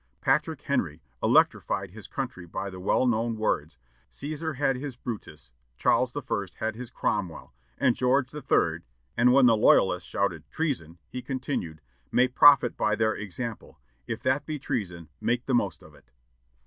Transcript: Patrick Henry electrified his country by the well known words, "Cæsar had his Brutus, Charles I. had his Cromwell, and George III." and when the loyalists shouted, "Treason!" he continued, "may profit by their example. If that be treason, make the most of it."